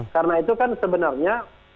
karena itu kan sebenarnya